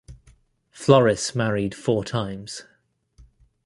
Floris married four times.